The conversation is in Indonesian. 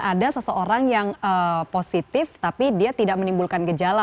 ada seseorang yang positif tapi dia tidak menimbulkan gejala